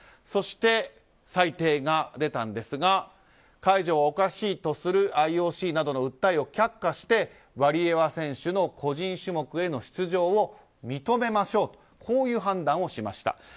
そして、裁定が出たんですが解除はおかしいとするＩＯＣなどの訴えを却下してワリエワ選手の個人種目ヘの出場を認めましょうとこういう判断をしました。